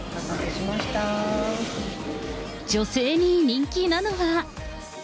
女性に人気なのは。